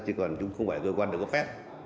chứ còn chúng không phải cơ quan được cấp phép